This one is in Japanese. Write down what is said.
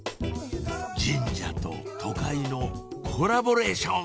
神社と都会のコラボレーション！